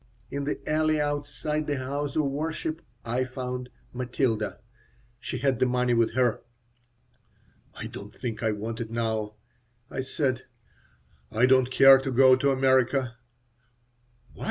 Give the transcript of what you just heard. In the alley outside the house of worship I found Matilda. She had the money with her "I don't think I want it now," I said. "I don't care to go to America." "Why?"